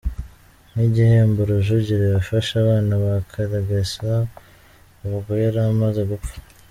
Nk’igihembo, Rujugiro yafashe abana ba Karegesa ubwo yari amaze gupfa.